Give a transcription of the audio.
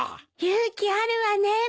勇気あるわねえ